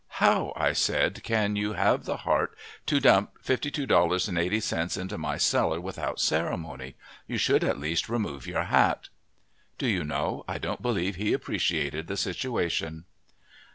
"How," I said, "can you have the heart to dump $52.80 into my cellar without ceremony? You should at least remove your hat." Do you know, I don't believe he appreciated the situation.